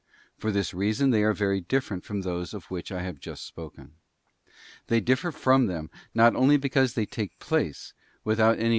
or this reason they are very different from those of which I have just spoken. They differ from them, not only because they take place without any effort of * Rom.